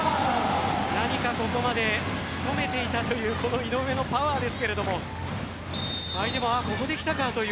何かここまで潜めていたというこの井上のパワーですが相手もここで来たかという。